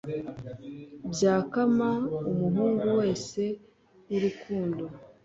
byakama, umuhungu wese wurukundo